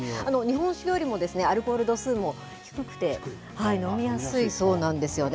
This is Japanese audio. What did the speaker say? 日本酒よりもアルコール度数も低くて、飲みやすいそうなんですよね。